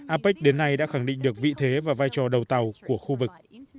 apec đến nay đã khẳng định được vị thế và vai trò đầu tàu của khu vực